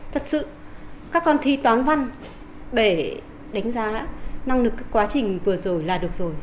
thật sự các con thi toán văn để đánh giá năng lực quá trình vừa rồi là được rồi